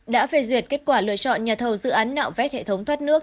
đã phê duyệt kết quả lựa chọn nhà thầu dự án nạo vét hệ thống thoát nước